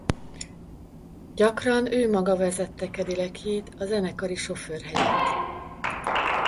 Gyakran ő maga vezette Cadillacjét a zenekari sofőr helyett.